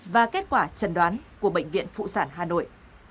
và kết quả trần đoán của bệnh viện phụ sản hà nội